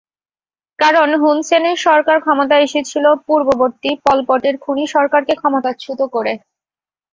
কারণ, হুনসেনের সরকার ক্ষমতায় এসেছিল পূর্ববর্তী পলপটের খুনি সরকারকে ক্ষমতাচ্যুত করে।